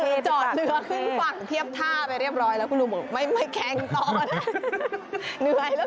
คุณลุงจอดเนื้อขึ้นฝั่งเทียบท่าไปเรียบร้อยแล้วคุณลุงบอกไม่แข็งต่อแล้ว